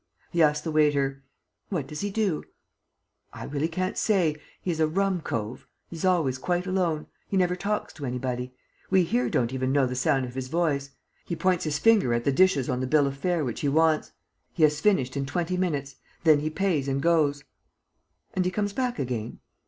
He asked the waiter: "What does he do?" "I really can't say. He's a rum cove ... He's always quite alone. ... He never talks to anybody ... We here don't even know the sound of his voice. ... He points his finger at the dishes on the bill of fare which he wants. ... He has finished in twenty minutes; then he pays and goes. ..." "And he comes back again?"